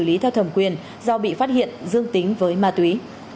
lý theo thẩm quyền do bị phát hiện dương tính với ma túy